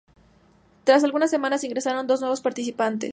Tras algunas semanas, ingresaron dos nuevos participantes.